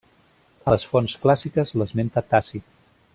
A les fonts clàssiques l'esmenta Tàcit.